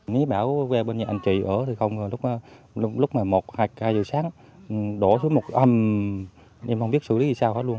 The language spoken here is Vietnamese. nếu bảo về bên nhà anh chị ở thì không lúc một hai giờ sáng đổ xuống một âm em không biết xử lý đi sao hết luôn